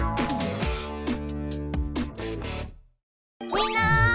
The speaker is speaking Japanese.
みんな！